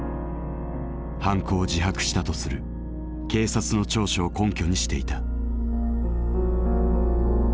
犯行を自白したとする警察の調書を根拠にしていた。